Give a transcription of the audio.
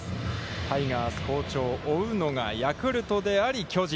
タイガース好調、追うのがヤクルトであり、巨人。